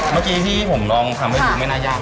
เมื่อกี้ที่ผมลองทำให้ดูไม่น่ายาก